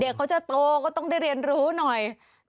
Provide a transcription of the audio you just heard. เขาจะโตก็ต้องได้เรียนรู้หน่อย